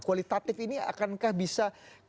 kualitatif ini akankah bisa